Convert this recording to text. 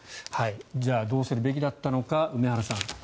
じゃあ、どうするべきだったのか梅原さん。